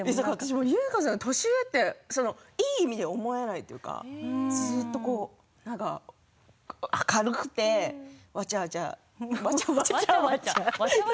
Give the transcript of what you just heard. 優香さん年上っていい意味で思えないというかずっと明るくてわちゃわちゃ。